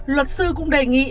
luật sư cũng đề nghị